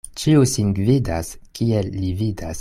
Ĉiu sin gvidas, kiel li vidas.